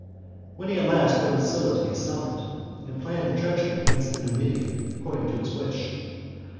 At last he ordered Sulla to be summoned, and planned the treacher}^ against the Numidian, according to his wish.